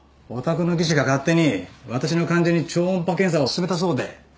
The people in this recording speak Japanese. おたくの技師が勝手に私の患者に超音波検査をすすめたそうで。